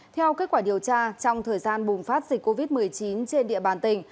theo kết quả điều tra trong thời gian bùng phát dịch covid một mươi chín trên địa bàn tỉnh